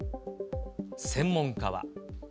専門家は。